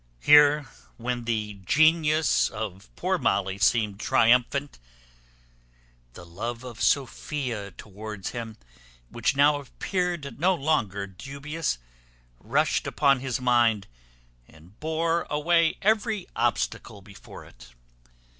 Here, when the genius of poor Molly seemed triumphant, the love of Sophia towards him, which now appeared no longer dubious, rushed upon his mind, and bore away every obstacle before it.